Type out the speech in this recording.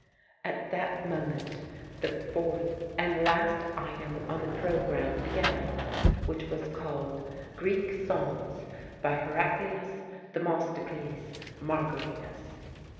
At that moment the fourth and last item on the programme began, which was called "Greek Songs by Heraclius Themistocles Margaritis."